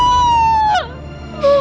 nenek jangan bu